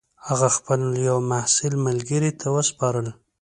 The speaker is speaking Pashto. هغه خپل یوه محصل ملګري ته وسپارل.